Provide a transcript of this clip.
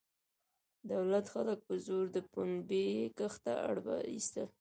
دولت خلک په زور د پنبې کښت ته اړ ایستل.